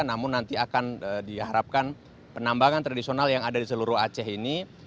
namun nanti akan diharapkan penambangan tradisional yang ada di seluruh aceh ini